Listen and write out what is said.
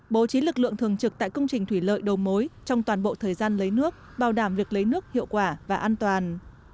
bố trí lực lượng thường trực tại công trình thủy lợi đầu mối trong toàn bộ thời gian lấy nước bảo đảm việc lấy nước hiệu quả và an toàn